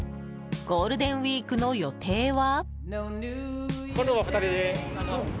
ゴールデンウィークの予定は？